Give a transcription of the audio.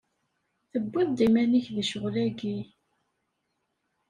Tewwiḍ-d iman-ik deg ccɣel-agi.